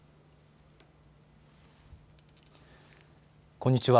こんにちは。